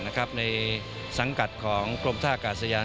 ในสังกัดของกรมท่ากาศยาน